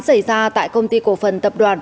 xảy ra tại công ty cổ phần tập đoàn